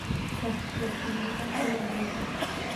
La flexibilidad tiene un precio.